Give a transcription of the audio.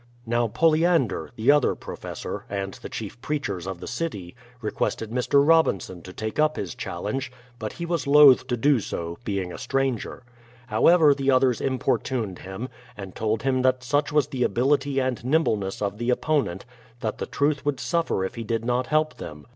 Now Poliander, the other professor, and the chief preach ers of the city, requested Mr. Robinson to take up his chal lenge, but he was loth to do so, being a stranger. However the others importuned him, and told him that such was the ability and nimbleness of the opponent, that the truth would suffer if he did not help them.